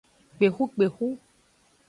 Kpexukpexu.